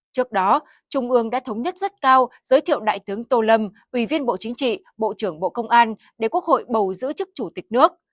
trước đó trung ương đã thống nhất rất cao giới thiệu đại tướng tô lâm ủy viên bộ chính trị bộ trưởng bộ công an để quốc hội bầu giữ chức chủ tịch nước